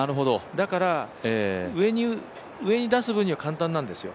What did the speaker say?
だから、上に出す分には簡単なんですよ。